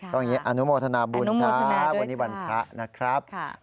อย่างนี้อนุโมทนาบุญครับวันนี้วันพระนะครับ